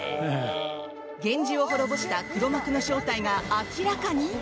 源氏を滅ぼした黒幕の正体が明らかに？